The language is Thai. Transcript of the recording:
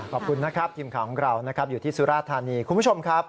ขอบคุณนะครับทีมข่าวของเรานะครับอยู่ที่สุราธานีคุณผู้ชมครับ